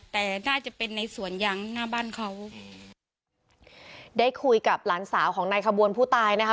แต่น่าจะเป็นในสวนยางหน้าบ้านเขาได้คุยกับหลานสาวของนายขบวนผู้ตายนะคะ